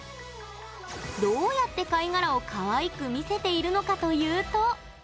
どうやって貝殻を、かわいく見せているのかというと。